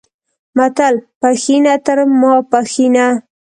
متل، پښینه تر ماپښینه